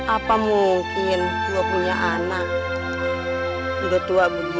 apa mungkin gue punya anak udah tua begitu